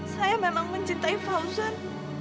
saya memang mencintai fauzan